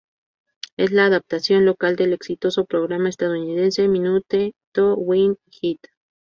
Es la adaptación local del exitoso programa estadounidense ""Minute to Win It"".